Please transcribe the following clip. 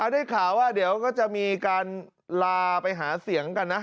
ได้ข่าวว่าเดี๋ยวก็จะมีการลาไปหาเสียงกันนะ